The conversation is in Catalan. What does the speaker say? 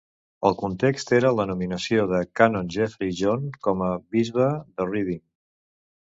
El context era la nominació de Canon Jeffrey John com a bisbe de Reading.